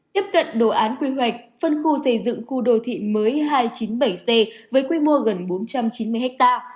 tiếp cận đồ án quy hoạch phân khu xây dựng khu đô thị mới hai trăm chín mươi bảy c với quy mô gần bốn trăm chín mươi ha